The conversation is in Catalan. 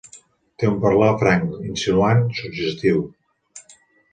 Té un parlar franc, insinuant, suggestiu.